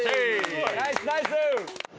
ナイスナイス！